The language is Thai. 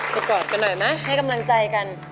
กอดกันหน่อยไหมให้กำลังใจกัน